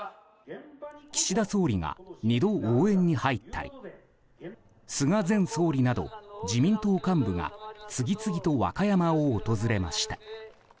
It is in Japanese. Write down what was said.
岸田総理が２度応援に入ったり菅前総理など自民党幹部が次々と和歌山を訪れました。